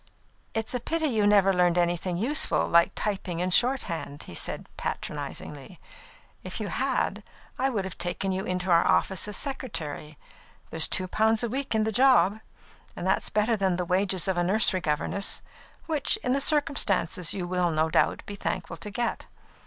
"It is a pity you never learned anything useful, like typing and shorthand," said he patronisingly. "If you had, I would have taken you into our office as secretary. There's two pounds a week in the job, and that's better than the wages of a nursery governess, which, in the circumstances, you will, no doubt, be thankful to get.